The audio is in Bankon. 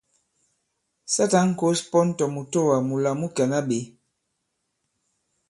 Sa tǎn kǒs pɔn tɔ̀ mùtoà mūla mu kɛ̀na ɓě !